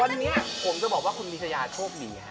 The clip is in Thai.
วันนี้ผมจะบอกว่าคุณพิชยาโชคดี